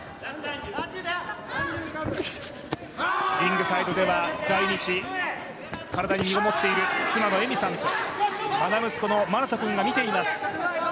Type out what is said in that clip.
リングサイドでは第２子、体にみごもっている妻の恵美さんと愛息子の磨永翔君が見ています。